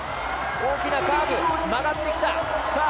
大きなカーブを曲がってきた。